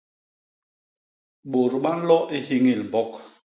Bôt ba nlo i hiñil mbok.